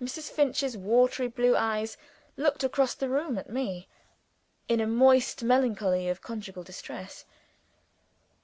Mrs. Finch's watery blue eyes looked across the room at me, in a moist melancholy of conjugal distress.